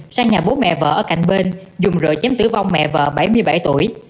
sang nhà bố mẹ vợ ở cạnh bên dùng rồi chém tử vong mẹ vợ bảy mươi bảy tuổi